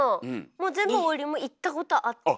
もう全部王林も行ったことあって。